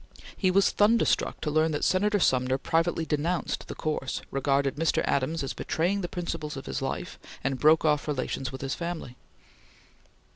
He was thunderstruck to learn that Senator Sumner privately denounced the course, regarded Mr. Adams as betraying the principles of his life, and broke off relations with his family.